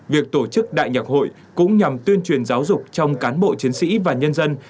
việc tổ chức đại nhạc hội cũng nhằm tuyên truyền giáo dục trong cán bộ chiến sĩ và nhân dân